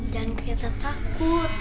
jangan kita takut